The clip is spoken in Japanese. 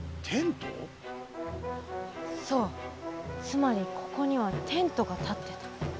そうつまりここにはテントがたってた。